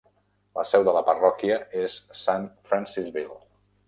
La seu de la parròquia és Saint Francisville.